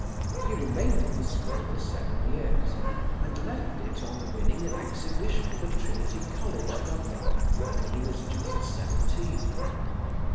He remained at the school for seven years and left it on winning an Exhibition for Trinity College, Dublin, when he was just seventeen.